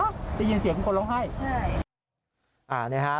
ฮะได้ยินเสียงคนร้องไห้ใช่